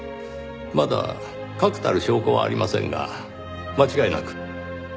まだ確たる証拠はありませんが間違いなく。